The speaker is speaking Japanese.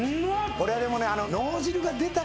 これはでもね。